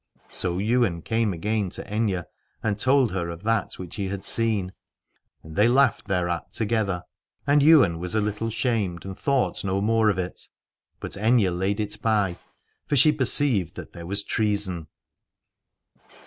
So Ywain came again to Aithne, and told her of that which he had seen : and they laughed thereat to 167 Aladore gether. And Ywain was a little shamed, and thought no more of it : but Aithne laid it by, for she perceived that there was treason.